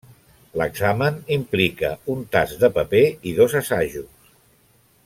L'examen implica un tast de paper i dos assajos.